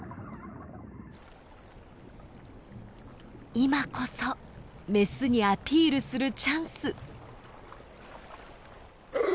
今こそメスにアピールするチャンス。